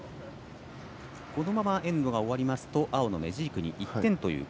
このままエンドが終わると青のメジークに１点。